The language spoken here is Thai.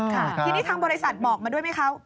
ทีนี้ทางบริษัทบอกมาด้วยไหมคะ